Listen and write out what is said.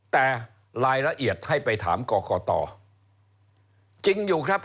แต่รายละเอียดให้ไปถามกรกตจริงอยู่ครับ